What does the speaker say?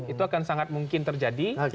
itu akan sangat mungkin terjadi